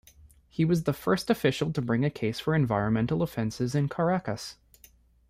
He was the first official to bring a case for environmental offenses in Caracas.